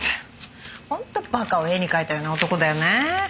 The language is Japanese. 本当馬鹿を絵に描いたような男だよね。